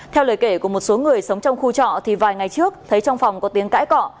theo lời kể của một số người sống trong khu trọ thì vài ngày trước thấy trong phòng có tiếng cãi cọ